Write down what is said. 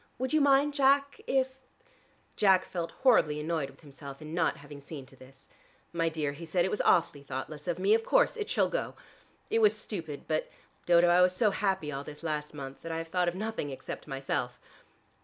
Would you mind, Jack, if " Jack felt horribly annoyed with himself in not having seen to this. "My dear," he said, "it was awfully thoughtless of me. Of course, it shall go. It was stupid, but, Dodo, I was so happy all this last month, that I have thought of nothing except myself."